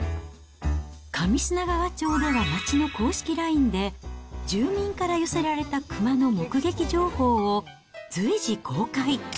上砂川町では町の公式ＬＩＮＥで、住民から寄せられた熊の目撃情報を随時公開。